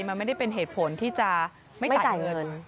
มันไม่ได้เป็นเหตุผลที่จะไม่จ่ายเงิน